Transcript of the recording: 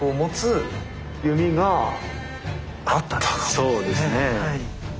そうですね。